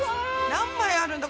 何枚あるんだ？